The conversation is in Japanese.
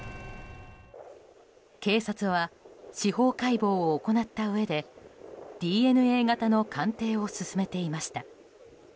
警察は、司法解剖を行ったうえでＤＮＡ型の鑑定を進めていました。